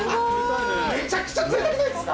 めちゃくちゃ冷たくないですか？